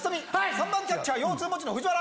３番キャッチャー腰痛持ちの藤原。